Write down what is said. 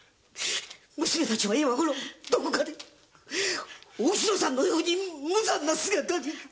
娘達は今ごろどこかでお篠さんのように無残な姿に。